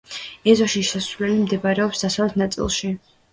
ეზოში შესასვლელი მდებარეობს დასავლეთ ნაწილში.